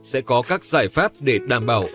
sẽ có các giải pháp để đảm bảo